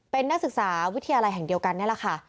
เป็นนักศึกษาวิทยาลัยแห่งเดียวกันนี่แหละค่ะ